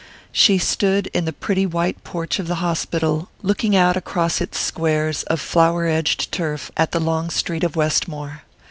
She stood in the pretty white porch of the hospital, looking out across its squares of flower edged turf at the long street of Westmore.